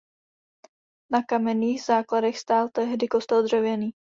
Na kamenných základech stál tehdy kostel dřevěný.